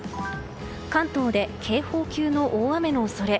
関東で、警報級の大雨の恐れ。